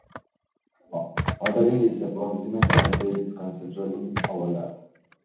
Ordering is approximate, as there is considerable overlap.